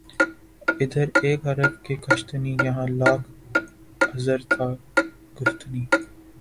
ادھر ایک حرف کہ کشتنی یہاں لاکھ عذر تھا گفتنی